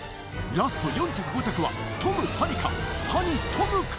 ラスト４着５着はトム谷か？